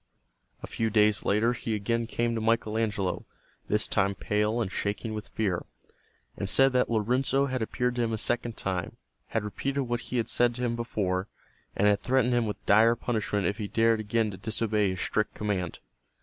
A few days later he came again to Michael Angelo, this time pale and shaking with fear, and said that Lorenzo had appeared to him a second time, had repeated what he had said to him before, and had threatened him with dire punishment if he dared again to disobey his strict command.